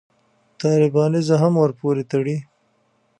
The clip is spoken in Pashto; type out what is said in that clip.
طالبانیزم هم ورپورې تړي.